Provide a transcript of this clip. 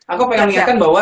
aku pengen ingatkan bahwa